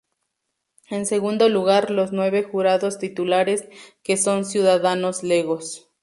En segundo lugar los nueve Jurados titulares, que son ciudadanos legos.